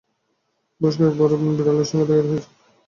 বেশ কয়েক বার বিড়ালের সঙ্গে দেখা হয়েছে।